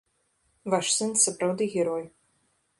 Ваш сын сапраўды герой.